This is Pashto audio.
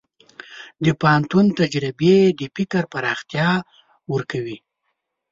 د پوهنتون تجربې د فکر پراختیا ورکوي.